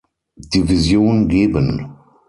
Division geben.